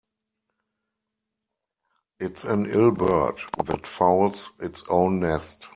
It's an ill bird that fouls its own nest.